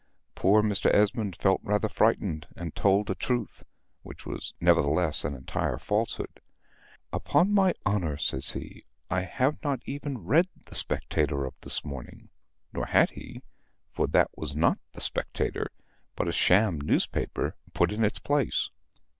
Poor Mr. Esmond felt rather frightened, and told a truth, which was nevertheless an entire falsehood. "Upon my honor," says he, "I have not even read the Spectator of this morning." Nor had he, for that was not the Spectator, but a sham newspaper put in its place.